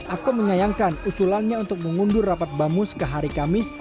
akom menyayangkan usulannya untuk mengundur rapat bamus ke hari kamis